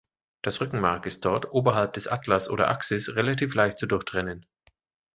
Das Rückenmark ist dort, oberhalb des Atlas oder Axis, relativ leicht zu durchtrennen.